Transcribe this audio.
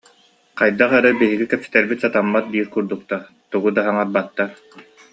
Хайдах эрэ «биһиги кэпсэтэрбит сатаммат» диир курдуктар, тугу да саҥарбаттар